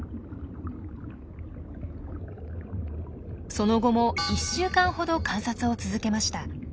その後も１週間ほど観察を続けました。